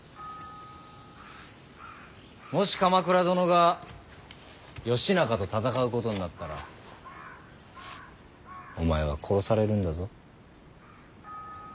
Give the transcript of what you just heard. もし鎌倉殿が義仲と戦うことになったらお前は殺されるんだぞ。